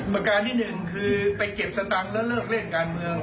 ประการที่หนึ่งคือไปเก็บสตางค์แล้วมีเป็นน้องสาวของนายเล่นการเมือง